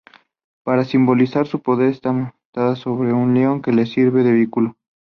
Para simbolizar su poder, está montada sobre un león, que le sirve de vehículo.